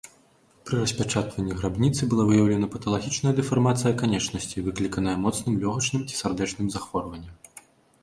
Пры распячатванні грабніцы была выяўлена паталагічная дэфармацыя канечнасцей, выкліканая моцным лёгачным ці сардэчным захворваннем.